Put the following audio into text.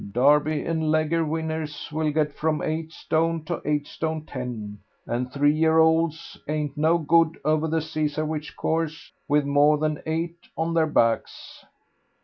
"Derby and Leger winners will get from eight stone to eight stone ten, and three year olds ain't no good over the Cesarewitch course with more than eight on their backs."